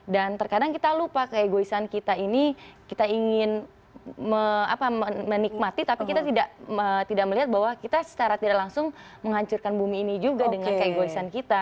dan terkadang kita lupa keegoisan kita ini kita ingin menikmati tapi kita tidak melihat bahwa kita secara tidak langsung menghancurkan bumi ini juga dengan keegoisan kita